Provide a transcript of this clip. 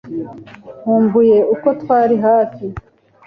nkumbuye uko twari hafi